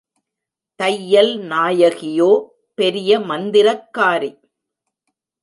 தையல் நாயகியோ பெரிய மந்திரக்காரி.